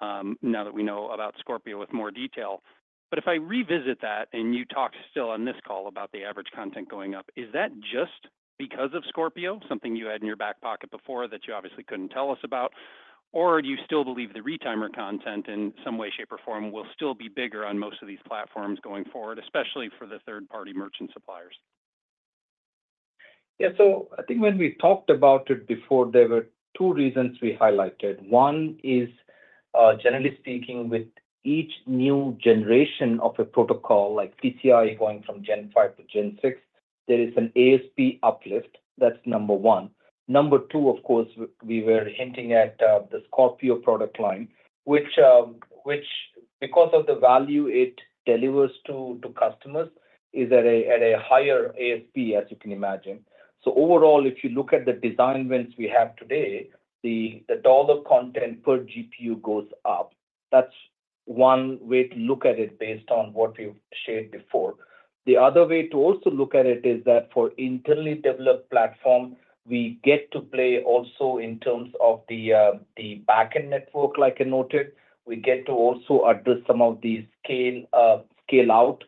now that we know about Scorpio with more detail. But if I revisit that and you talk still on this call about the average content going up, is that just because of Scorpio, something you had in your back pocket before that you obviously couldn't tell us about, or do you still believe the retimer content in some way, shape, or form will still be bigger on most of these platforms going forward, especially for the third-party merchant suppliers?
Yeah, so I think when we talked about it before, there were two reasons we highlighted. One is, generally speaking, with each new generation of a protocol like PCIe going from Gen 5 to Gen 6, there is an ASP uplift. That's number one. Number two, of course, we were hinting at the Scorpio product line, which, because of the value it delivers to customers, is at a higher ASP, as you can imagine. So overall, if you look at the design wins we have today, the dollar content per GPU goes up. That's one way to look at it based on what we've shared before. The other way to also look at it is that for internally developed platforms, we get to play also in terms of the back-end network, like I noted. We get to also address some of these scale-out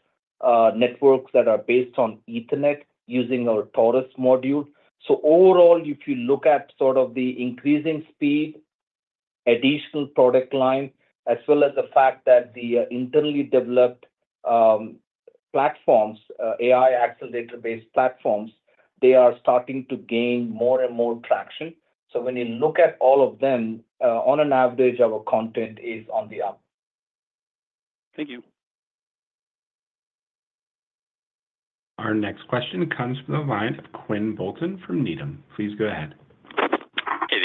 networks that are based on Ethernet using our Taurus module. So overall, if you look at sort of the increasing speed, additional product line, as well as the fact that the internally developed platforms, AI accelerator-based platforms, they are starting to gain more and more traction. So when you look at all of them, on an average, our content is on the up.
Thank you.
Our next question comes from the line of Quinn Bolton from Needham. Please go ahead.
Hey,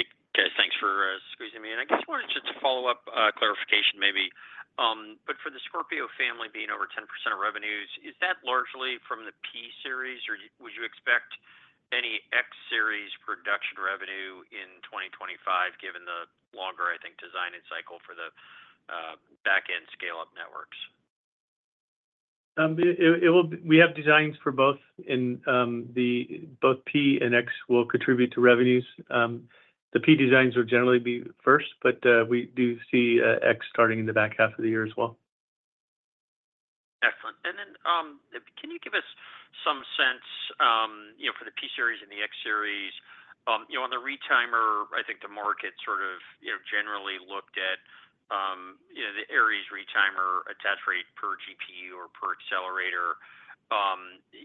thanks for squeezing me in. I just wanted to just follow up clarification maybe. But for the Scorpio family being over 10% of revenues, is that largely from the P-Series, or would you expect any X-Series production revenue in 2025, given the longer, I think, design and cycle for the back-end scale-up networks?
We have designs for both, and both P-Series and X-Series will contribute to revenues. The P-Series designs will generally be first, but we do see X-Series starting in the back half of the year as well.
Excellent. And then can you give us some sense, you know, for the P-Series and the X-Series, you know, on the retimer. I think the market sort of generally looked at the Aries retimer attach rate per GPU or per accelerator.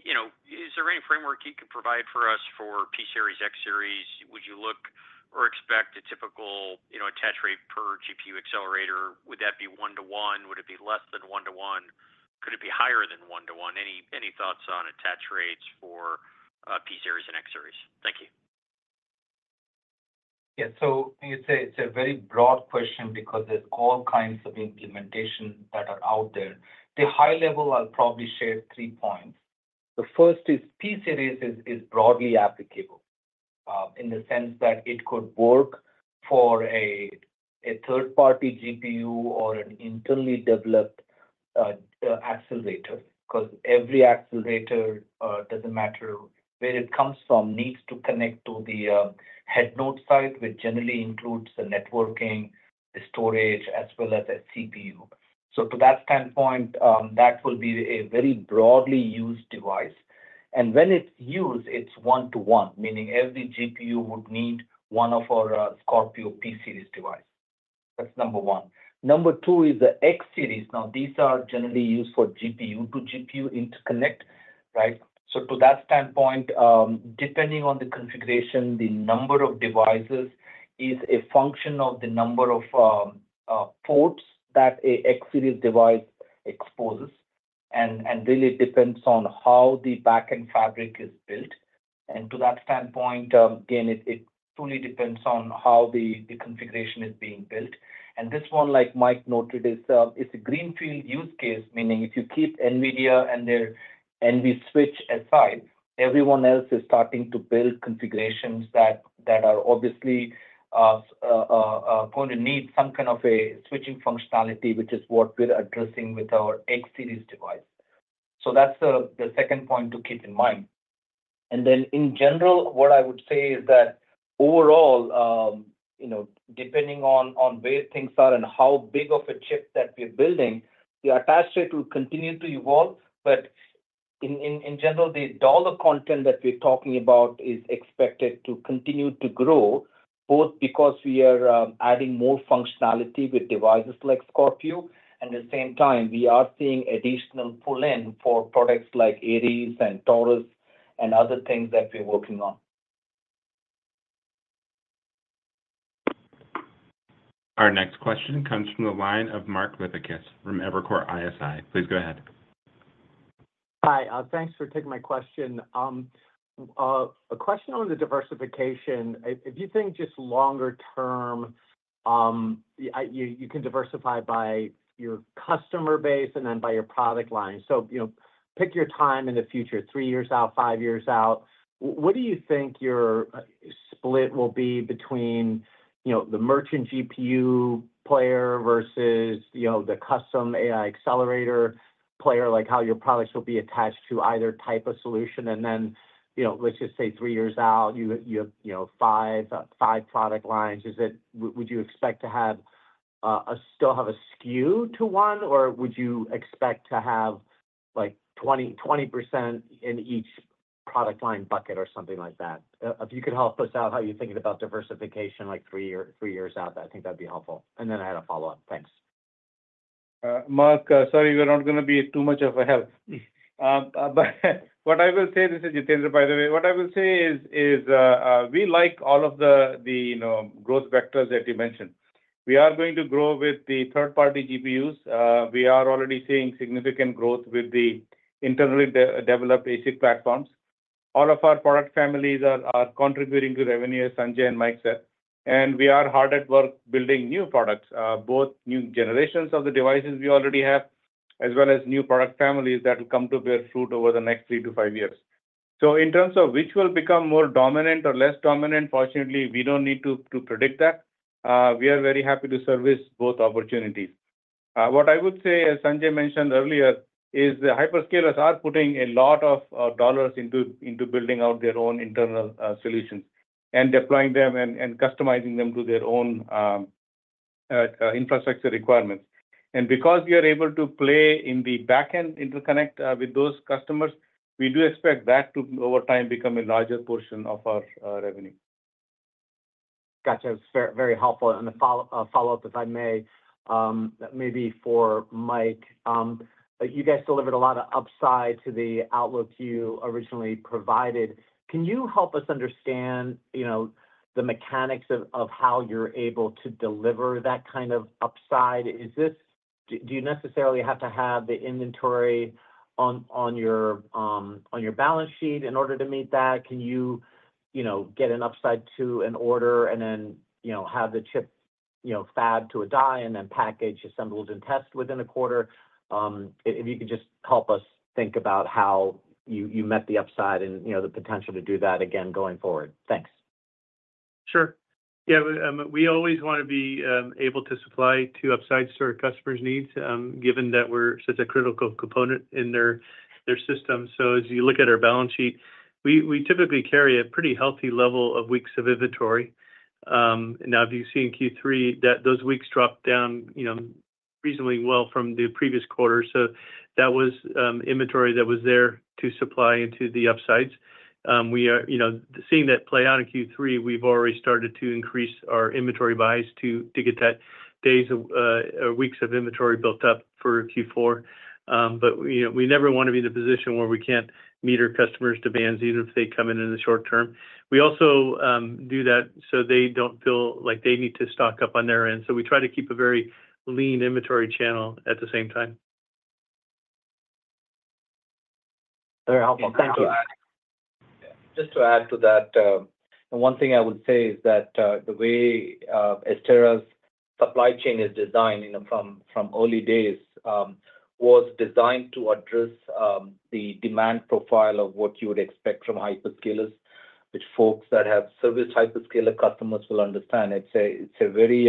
You know, is there any framework you could provide for us for P-Series, X-Series? Would you look or expect a typical attach rate per GPU accelerator? Would that be one-to-one? Would it be less than one-to-one? Could it be higher than one-to-one? Any thoughts on attach rates for P-Series and X-Series? Thank you.
Yeah, so you say it's a very broad question because there's all kinds of implementations that are out there. The high level, I'll probably share three points. The first is P-Series is broadly applicable in the sense that it could work for a third-party GPU or an internally developed accelerator because every accelerator, doesn't matter where it comes from, needs to connect to the head node side, which generally includes the networking, the storage, as well as a CPU. So to that standpoint, that will be a very broadly used device. And when it's used, it's one-to-one, meaning every GPU would need one of our Scorpio P-Series devices. That's number one. Number two is the X-Series. Now, these are generally used for GPU to GPU interconnect, right? To that standpoint, depending on the configuration, the number of devices is a function of the number of ports that an X-Series device exposes. And really, it depends on how the back-end fabric is built. And to that standpoint, again, it truly depends on how the configuration is being built. And this one, like Mike noted, is a greenfield use case, meaning if you keep NVIDIA and their NVSwitch aside, everyone else is starting to build configurations that are obviously going to need some kind of a switching functionality, which is what we're addressing with our X-Series device. So that's the second point to keep in mind. And then in general, what I would say is that overall, you know, depending on where things are and how big of a chip that we're building, the attach rate will continue to evolve. But in general, the dollar content that we're talking about is expected to continue to grow, both because we are adding more functionality with devices like Scorpio, and at the same time, we are seeing additional pull-in for products like Aries and Taurus and other things that we're working on.
Our next question comes from the line of Mark Lipacis from Evercore ISI. Please go ahead.
Hi, thanks for taking my question. A question on the diversification. If you think just longer-term, you can diversify by your customer base and then by your product line. So, you know, pick your time in the future, three years out, five years out. What do you think your split will be between, you know, the merchant GPU player versus, you know, the custom AI accelerator player, like how your products will be attached to either type of solution? And then, you know, let's just say three years out, you have, you know, five product lines. Would you expect to still have a skew to one, or would you expect to have like 20% in each product line bucket or something like that? If you could help us out, how you're thinking about diversification like three years out, I think that'd be helpful. And then I had a follow-up. Thanks.
Mark, sorry, we're not going to be too much of a help. But what I will say, this is Jitendra, by the way, what I will say is we like all of the, you know, growth vectors that you mentioned. We are going to grow with the third-party GPUs. We are already seeing significant growth with the internally developed ASIC platforms. All of our product families are contributing to revenue, as Sanjay and Mike said. And we are hard at work building new products, both new generations of the devices we already have, as well as new product families that will come to bear fruit over the next three to five years. So in terms of which will become more dominant or less dominant, fortunately, we don't need to predict that. We are very happy to service both opportunities. What I would say, as Sanjay mentioned earlier, is the hyperscalers are putting a lot of dollars into building out their own internal solutions and deploying them and customizing them to their own infrastructure requirements, and because we are able to play in the back-end interconnect with those customers, we do expect that to, over time, become a larger portion of our revenue.
Got you. That's very helpful. And a follow-up, if I may, maybe for Mike, you guys delivered a lot of upside to the outlook you originally provided. Can you help us understand, you know, the mechanics of how you're able to deliver that kind of upside? Do you necessarily have to have the inventory on your balance sheet in order to meet that? Can you, you know, get an upside to an order and then, you know, have the chip, you know, fab to a die and then package, assemble, and test within a quarter? If you could just help us think about how you met the upside and, you know, the potential to do that again going forward. Thanks.
Sure. Yeah, we always want to be able to supply to upside to our customers' needs, given that we're such a critical component in their system. So as you look at our balance sheet, we typically carry a pretty healthy level of weeks of inventory. Now, if you've seen Q3, those weeks dropped down, you know, reasonably well from the previous quarter. So that was inventory that was there to supply into the upsides. We are, you know, seeing that play out in Q3. We've already started to increase our inventory buys to get that days or weeks of inventory built up for Q4. But, you know, we never want to be in a position where we can't meet our customers' demands, even if they come in in the short-term. We also do that so they don't feel like they need to stock up on their end. We try to keep a very lean inventory channel at the same time.
Very helpful. Thank you.
Just to add to that, one thing I would say is that the way Astera's supply chain is designed, you know, from early days, was designed to address the demand profile of what you would expect from hyperscalers, which folks that have serviced hyperscaler customers will understand. It's a very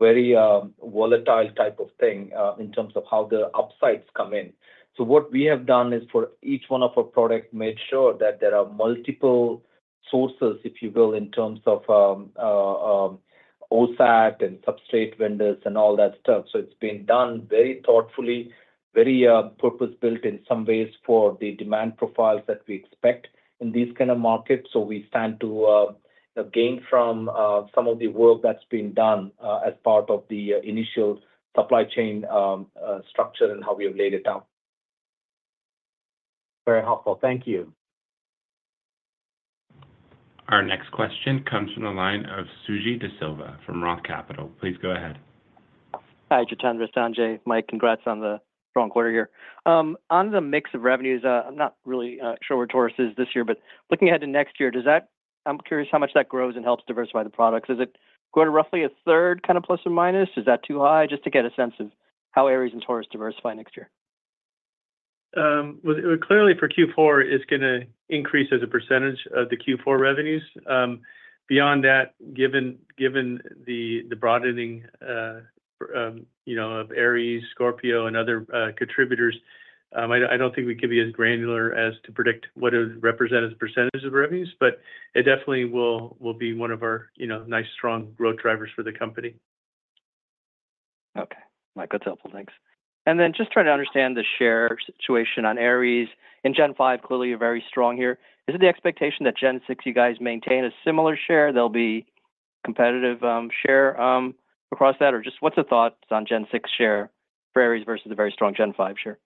volatile type of thing in terms of how the upsides come in. So what we have done is for each one of our products, made sure that there are multiple sources, if you will, in terms of OSAT and substrate vendors and all that stuff. So it's been done very thoughtfully, very purpose-built in some ways for the demand profiles that we expect in these kinds of markets. So we stand to gain from some of the work that's been done as part of the initial supply chain structure and how we have laid it out.
Very helpful. Thank you.
Our next question comes from the line of Suji Desilva from Roth Capital. Please go ahead.
Hi, Jitendra, Sanjay, Mike, congrats on the strong quarter here. On the mix of revenues, I'm not really sure where Taurus is this year, but looking ahead to next year, does that, I'm curious how much that grows and helps diversify the products. Is it going to roughly 1/3, kind of plus or minus? Is that too high? Just to get a sense of how Aries and Taurus diversify next year.
Well, clearly for Q4, it's going to increase as a percentage of the Q4 revenues. Beyond that, given the broadening, you know, of Aries, Scorpio, and other contributors, I don't think we could be as granular as to predict what it would represent as percentages of revenues, but it definitely will be one of our, you know, nice strong growth drivers for the company.
Okay. Mike, that's helpful. Thanks. And then just trying to understand the share situation on Aries. In Gen 5, clearly you're very strong here. Is it the expectation that Gen 6, you guys maintain a similar share? There'll be a competitive share across that, or just what's the thoughts on Gen 6 share for Aries versus the very strong Gen 5 share?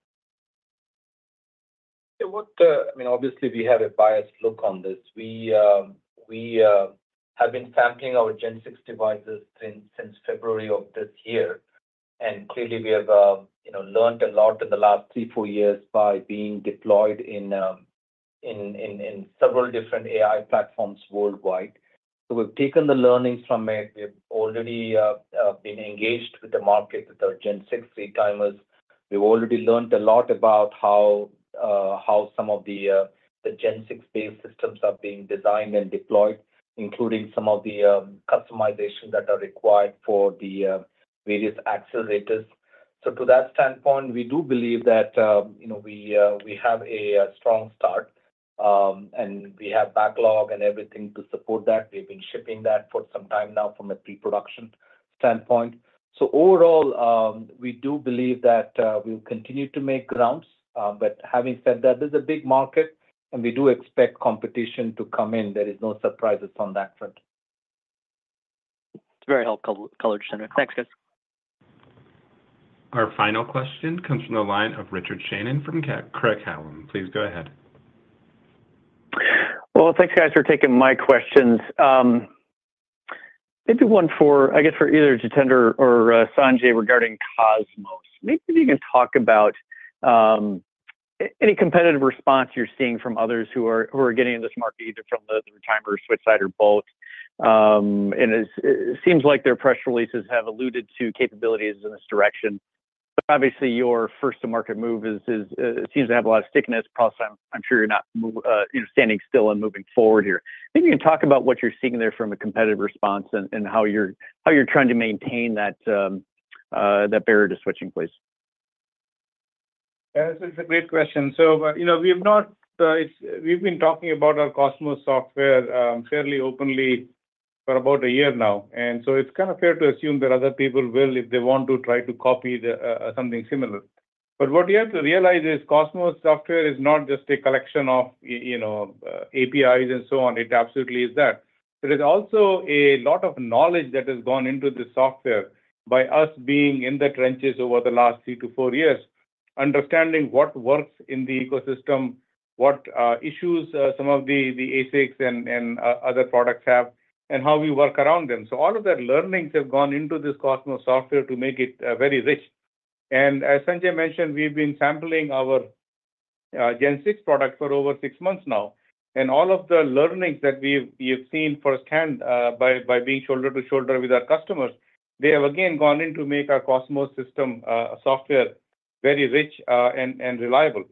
Yeah, I mean, obviously, we have a biased look on this. We have been sampling our Gen 6 devices since February of this year, and clearly, we have, you know, learned a lot in the last three, four years by being deployed in several different AI platforms worldwide, so we've taken the learnings from it. We've already been engaged with the market with our Gen 6 retimers. We've already learned a lot about how some of the Gen 6-based systems are being designed and deployed, including some of the customizations that are required for the various accelerators, so to that standpoint, we do believe that, you know, we have a strong start, and we have backlog and everything to support that. We've been shipping that for some time now from a pre-production standpoint, so overall, we do believe that we'll continue to make grounds. But having said that, this is a big market, and we do expect competition to come in. There are no surprises on that front.
It's very helpful color, Jitendra. Thanks, guys.
Our final question comes from the line of Richard Shannon from Craig-Hallum. Please go ahead.
Thanks, guys, for taking my questions. Maybe one for, I guess, for either Jitendra or Sanjay regarding Cosmos. Maybe if you can talk about any competitive response you're seeing from others who are getting into this market, either from the retimer switch side or both. And it seems like their press releases have alluded to capabilities in this direction. But obviously, your first-to-market move seems to have a lot of stickiness. Plus, I'm sure you're not, you know, standing still and moving forward here. Maybe you can talk about what you're seeing there from a competitive response and how you're trying to maintain that barrier to switching, please.
Yeah, this is a great question. So, you know, we've not, we've been talking about our COSMOS software fairly openly for about a year now. And so it's kind of fair to assume that other people will, if they want to, try to copy something similar. But what you have to realize is COSMOS software is not just a collection of, you know, APIs and so on. It absolutely is that. There is also a lot of knowledge that has gone into the software by us being in the trenches over the last three to four years, understanding what works in the ecosystem, what issues some of the ASICs and other products have, and how we work around them. So all of that learnings have gone into this COSMOS software to make it very rich. And as Sanjay mentioned, we've been sampling our Gen 6 product for over six months now. And all of the learnings that we've seen firsthand by being shoulder to shoulder with our customers, they have again gone in to make our COSMOS system software very rich and reliable.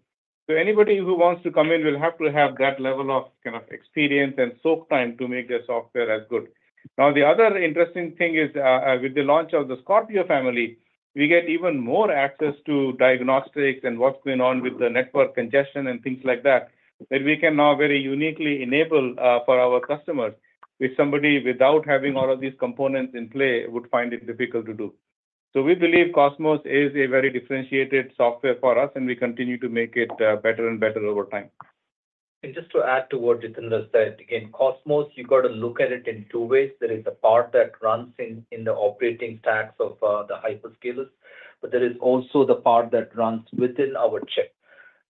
So anybody who wants to come in will have to have that level of kind of experience and soak time to make their software as good. Now, the other interesting thing is with the launch of the Scorpio family, we get even more access to diagnostics and what's going on with the network congestion and things like that, that we can now very uniquely enable for our customers, which somebody without having all of these components in play would find it difficult to do. So we believe COSMOS is a very differentiated software for us, and we continue to make it better and better over time.
And just to add to what Jitendra said, again, COSMOS, you've got to look at it in two ways. There is a part that runs in the operating stacks of the hyperscalers, but there is also the part that runs within our chip.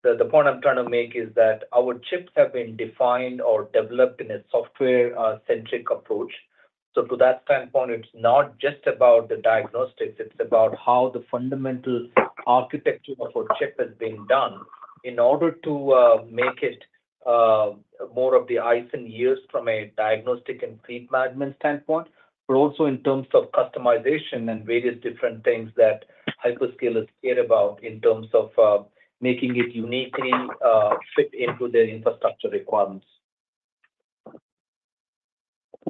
The point I'm trying to make is that our chips have been defined or developed in a software-centric approach. So to that standpoint, it's not just about the diagnostics. It's about how the fundamental architecture of our chip has been done in order to make it more of the eyes and ears from a diagnostic and fleet management standpoint, but also in terms of customization and various different things that hyperscalers care about in terms of making it uniquely fit into their infrastructure requirements.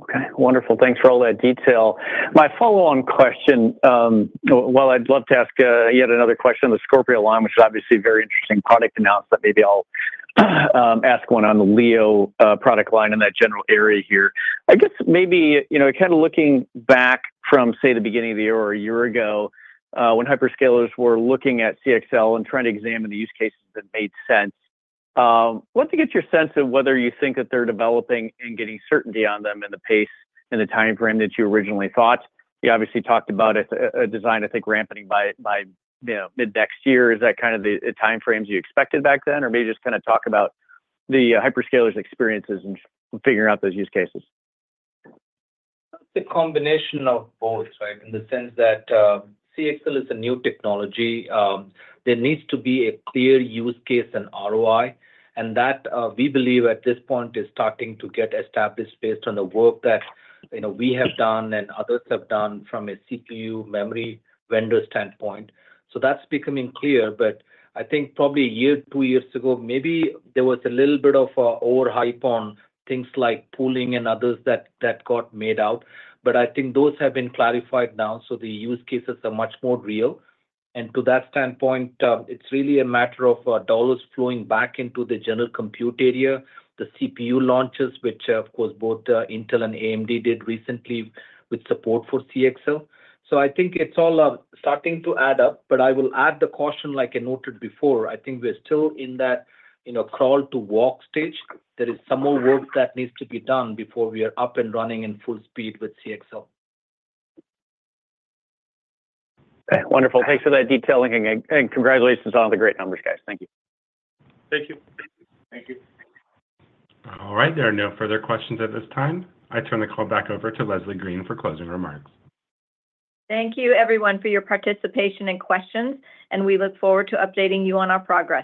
Okay. Wonderful. Thanks for all that detail. My follow-on question, well, I'd love to ask yet another question on the Scorpio line, which is obviously a very interesting product announcement. Maybe I'll ask one on the Leo product line in that general area here. I guess maybe, you know, kind of looking back from, say, the beginning of the year or a year ago when hyperscalers were looking at CXL and trying to examine the use cases that made sense, I'd love to get your sense of whether you think that they're developing and getting certainty on them in the pace and the timeframe that you originally thought. You obviously talked about a design, I think, ramping by mid-next year. Is that kind of the timeframes you expected back then? Or maybe just kind of talk about the hyperscalers' experiences in figuring out those use cases?
It's a combination of both, right, in the sense that CXL is a new technology. There needs to be a clear use case and ROI, and that we believe at this point is starting to get established based on the work that, you know, we have done and others have done from a CPU memory vendor standpoint. So that's becoming clear. But I think probably a year, two years ago, maybe there was a little bit of overhype on things like pooling and others that got made out. But I think those have been clarified now, so the use cases are much more real. And to that standpoint, it's really a matter of dollars flowing back into the general compute area, the CPU launches, which, of course, both Intel and AMD did recently with support for CXL. So I think it's all starting to add up, but I will add the caution, like I noted before. I think we're still in that, you know, crawl-to-walks stage. There is some more work that needs to be done before we are up and running in full speed with CXL.
Okay. Wonderful. Thanks for that detailing, and congratulations on all the great numbers, guys. Thank you.
Thank you.
Thank you.
All right. There are no further questions at this time. I turn the call back over to Leslie Green for closing remarks.
Thank you, everyone, for your participation and questions, and we look forward to updating you on our progress.